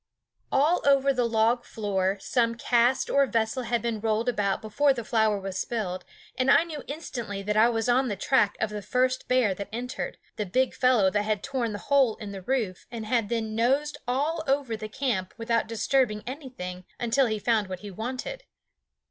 All over the log floor some cask or vessel had been rolled about before the flour was spilled, and I knew instantly that I was on the track of the first bear that entered, the big fellow that had torn the hole in the roof and had then nosed all over the camp without disturbing anything until he found what he wanted.